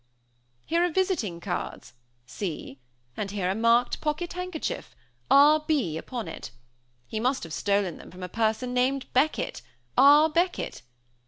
"Here are visiting cards, see, and here a marked pocket handkerchief 'R.B.' upon it. He must have stolen them from a person named Beckett R. Beckett.